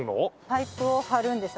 パイプを張るんです。